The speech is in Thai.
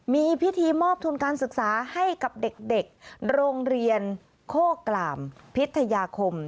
มีพิธีมอบทุนการศึกษาให้กับเด็กโรงเรียนโคกล่ามพิทยาคม